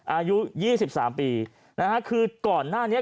อายุ๒๓ปีนะฮะคือก่อนหน้านี้